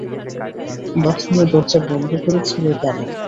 বাথরুমে দরজা বন্ধ করে ছিলে কেন?